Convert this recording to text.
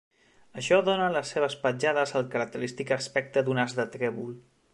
Això dóna a les seves petjades el característic aspecte d'un as de trèvol.